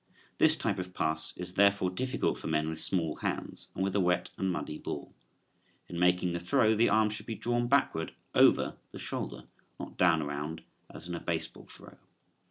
This type of pass is therefore difficult for men with small hands and with a wet and muddy ball. In making the throw the arm should be drawn backward over the shoulder, not down around as in a baseball throw.